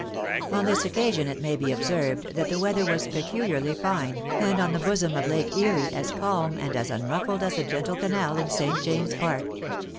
On this occasion it may be observed, that the weather was pecu liarly fine, and on the bosom of Lake Erie as cahn and as unruffled as the gentle canal in St. James's Park.